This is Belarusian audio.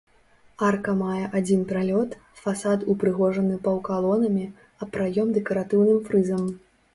Арка мае адзін пралёт, фасад упрыгожаны паўкалонамі, а праём дэкаратыўным фрызам.